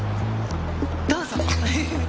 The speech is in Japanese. どうぞ！